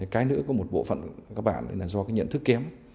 cái nữa có một bộ phận của các bạn là do nhận thức kém